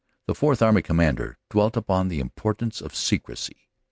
The Fourth Army Commander dwelt upon the importance of secrecy.